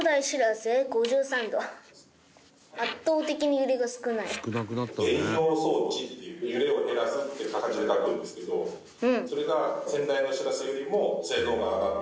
減揺装置っていう「揺れを減らす」って漢字で書くんですけどそれが先代のしらせよりも性能が上がって。